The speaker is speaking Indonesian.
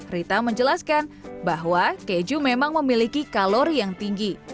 rita menjelaskan bahwa keju memang memiliki kalori yang tinggi